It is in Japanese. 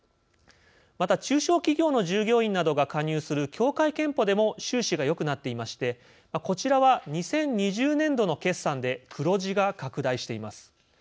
また、中小企業の従業員などが加入する協会けんぽでも収支がよくなっていましてこちらは２０２０年度の決算で黒字が拡大しています。